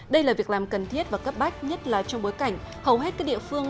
đây là việc làm cần thiết và cấp bách nhất là trong bối cảnh hầu hết các địa phương